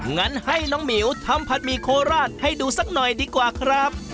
งั้นให้น้องหมิวทำผัดหมี่โคราชให้ดูสักหน่อยดีกว่าครับ